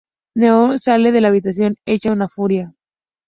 Meadow sale de la habitación hecha una furia.